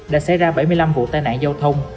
đã xảy ra bảy mươi năm vụ tai nạn giao thông